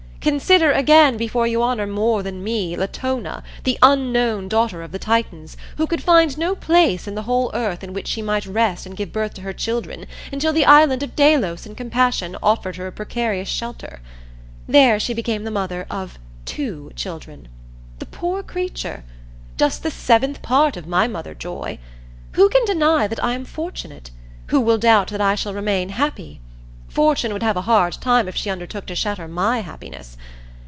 Consider again before you honor more than me Latona, the unknown daughter of the Titans, who could find no place in the whole earth in which she might rest and give birth to her children until the island of Delos in compassion offered her a precarious shelter. There she became the mother of two children the poor creature! Just the seventh part of my mother joy! Who can deny that I am fortunate? Who will doubt that I shall remain happy? Fortune would have a hard time if she undertook to shatter my happiness.